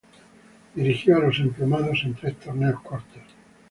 Dirigió a los emplumados en tres torneos cortos.